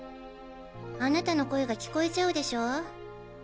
あなたの声が聞こえちゃうでしょ。